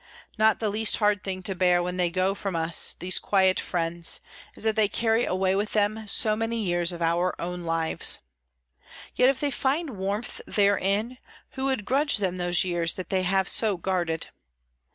Not the least hard thing to bear when they go from us, these quiet friends, is that they carry away with them so many years of our own lives. Yet, if they find warmth therein, who would grudge them those years that they have so guarded?